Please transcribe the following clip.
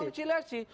itu yang rekonsiliasi